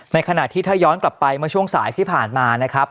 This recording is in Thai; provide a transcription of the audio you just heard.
ขณะที่ถ้าย้อนกลับไปเมื่อช่วงสายที่ผ่านมานะครับ